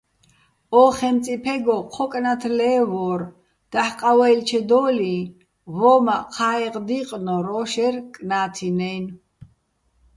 ო ხემწიფეგო ჴო კნათ ლე́ვვორ, დაჰ̦ ყავეჲლჩედო́ლიჼ ვო́მაჸ ჴაეღ დი́ყნო́რ ო შეჲრ კნა́თინა́ჲნო̆.